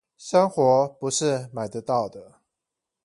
生活不是買得到的